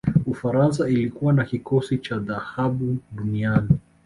ufaransa ilikuwa na kikosi cha dhahabu duniani